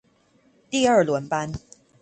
第二輪班